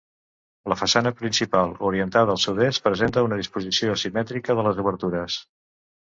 La façana principal, orientada al sud-est, presenta una disposició asimètrica de les obertures.